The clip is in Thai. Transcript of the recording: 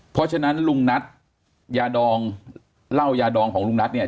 เพราะฉะนั้นลุงนัทยาดองเหล้ายาดองของลุงนัทเนี่ย